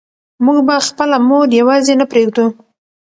موږ به خپله مور یوازې نه پرېږدو.